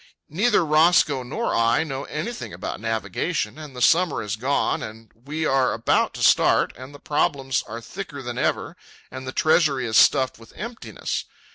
Neither Roscoe nor I know anything about navigation, and the summer is gone, and we are about to start, and the problems are thicker than ever, and the treasury is stuffed with emptiness.